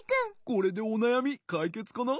これでおなやみかいけつかな？